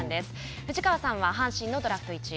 藤川さんは阪神のドラフト１位。